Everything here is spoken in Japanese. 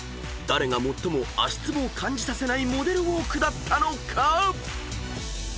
［誰が最も足つぼを感じさせないモデルウォークだったのか］